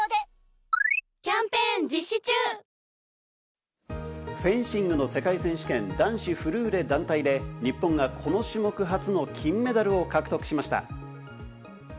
お試し容量もフェンシングの世界選手権、男子フルーレ団体で日本がこの種目初の金メダルを獲得しました。